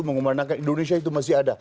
mengumandangkan indonesia itu masih ada